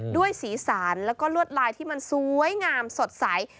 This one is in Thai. สีสารแล้วก็ลวดลายที่มันสวยงามสดใส